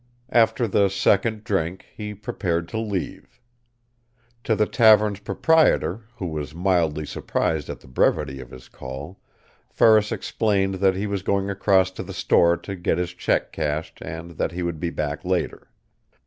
After the second drink he prepared to leave. To the tavern's proprietor, who was mildly surprised at the brevity of his call, Ferris explained that he was going across to the store to get his check cashed and that he would be back later.